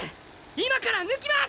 今から抜きます！